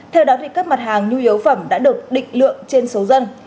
theo đó các mặt hàng nhu yếu phẩm đã được định lượng trên số dân